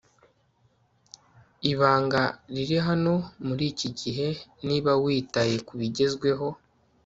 ibanga riri hano muri iki gihe niba witaye kubigezweho